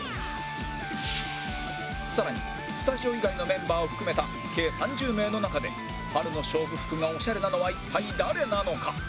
更にスタジオ以外のメンバーを含めた計３０名の中で春の勝負服がオシャレなのは一体誰なのか？